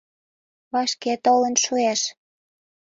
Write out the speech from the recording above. Вашке толын шуэш.